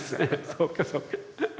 そうかそうか。